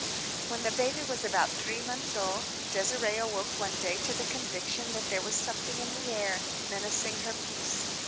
When the baby was about three months old, Désirée awoke one day to the conviction that there was something in the air menacing her peace.